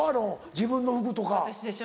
自分の服とか。